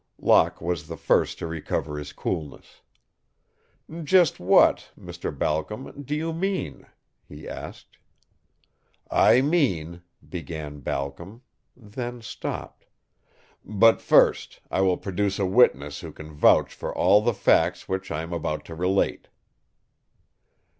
Locke was the first to recover his coolness. "Just what, Mr. Balcom, do you mean?" he asked. "I mean " began Balcom, then stopped. "But first I will produce a witness who can vouch for all the facts which I am about to relate."